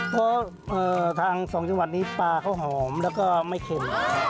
เพราะทางสองจังหวัดนี้ปลาเขาหอมแล้วก็ไม่เค็ม